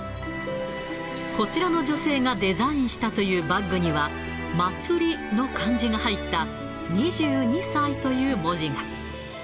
こちらの女性がデザインしたというバッグには、祭の漢字が入った、２２祭という文字が。